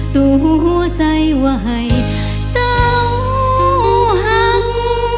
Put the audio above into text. ตัวหัวใจว่าให้เสาหัง